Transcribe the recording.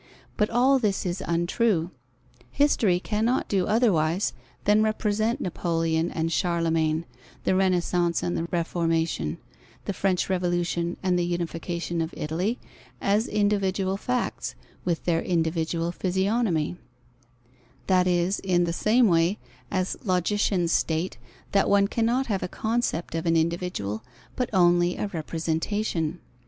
But all this is untrue. History cannot do otherwise than represent Napoleon and Charlemagne, the Renaissance and the Reformation, the French Revolution and the Unification of Italy as individual facts with their individual physiognomy: that is, in the same way as logicians state, that one cannot have a concept of an individual, but only a representation.